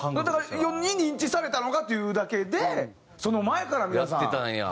だから世に認知されたのがっていうだけでその前から皆さん。